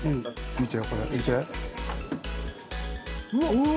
見て。